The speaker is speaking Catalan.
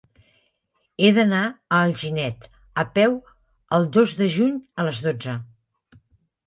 He d'anar a Alginet a peu el dos de juny a les dotze.